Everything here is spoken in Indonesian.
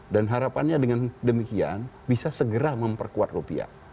dan harapannya dengan demikian bisa segera memperkuat rupiah